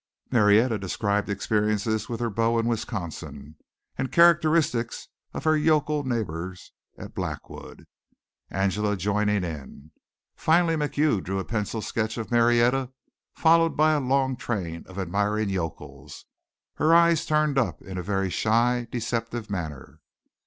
Marietta described experiences with her beaux in Wisconsin and characteristics of her yokel neighbors at Blackwood, Angela joining in. Finally MacHugh drew a pencil sketch of Marietta followed by a long train of admiring yokels, her eyes turned up in a very shy, deceptive manner.